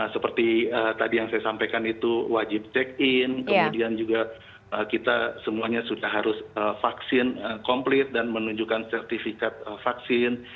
seperti tadi yang saya sampaikan itu wajib check in kemudian juga kita semuanya sudah harus vaksin komplit dan menunjukkan sertifikat vaksin